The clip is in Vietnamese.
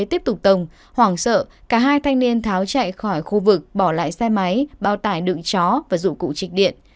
tiếp tục tổng hoảng sợ cả hai thanh niên tháo chạy khỏi khu vực bỏ lại xe máy bao tải đựng chó và dụng cụ trịnh điện